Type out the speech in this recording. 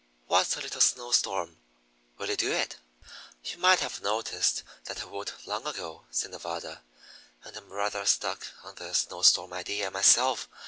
What's a little snow storm? Will you do it?" "You might have noticed that I would, long ago," said Nevada. "And I'm rather stuck on the snow storm idea, myself.